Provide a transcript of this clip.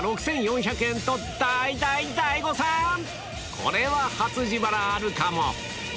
これは初自腹あるかも？